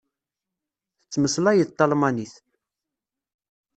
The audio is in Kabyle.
Tettmeslayeḍ talmanit.